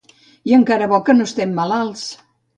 I encara bo que no estem malalts!